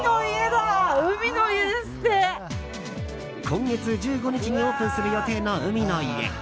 今月１５日にオープンする予定の海の家。